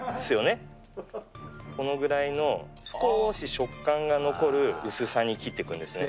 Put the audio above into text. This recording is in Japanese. このぐらいの少し食感が残る薄さに切って行くんですね。